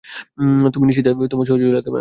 তুমি নিশ্চিত তোমার সহযোগী লাগবে না?